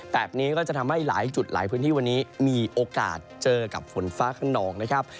แบบนี้ก็จะทำให้หลายจุดหลายพื้นที่วันนี้มีโอกาสเจอกับฝนฟ้าขนองนะครับ